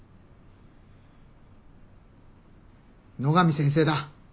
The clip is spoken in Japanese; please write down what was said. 野上先生だ。